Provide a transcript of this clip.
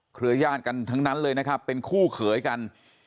เครือญาติกันทั้งนั้นเลยนะครับเป็นคู่เขยกัน